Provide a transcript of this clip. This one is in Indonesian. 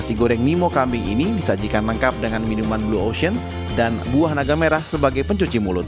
nasi goreng nemo kambing ini disajikan lengkap dengan minuman blue ocean dan buah naga merah sebagai pencuci mulut